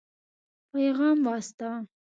پيغام واستاوه.